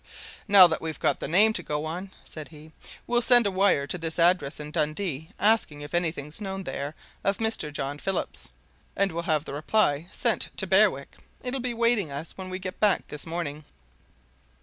"Now that we've got the name to go on," said he, "we'll send a wire to this address in Dundee asking if anything's known there of Mr. John Phillips. And we'll have the reply sent to Berwick it'll be waiting us when we get back this morning."